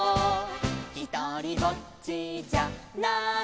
「ひとりぼっちじゃないさ」